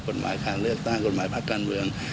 กฎหมายการเลือกตั้งกฎหมายพักการเมือง